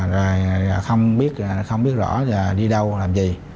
rồi không biết rõ đi đâu làm gì